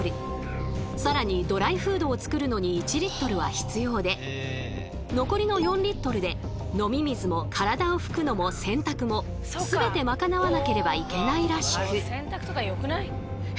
さらにドライフードを作るのに１は必要で残りの４で飲み水も体を拭くのも洗濯も全て賄わなければいけないらしく。